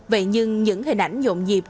vậy nhưng những hình ảnh nhộn nhịp